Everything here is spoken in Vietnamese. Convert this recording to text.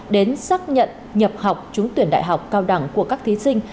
đến xác nhận nhập học trúng tuyển đại học cao đẳng của các thí sinh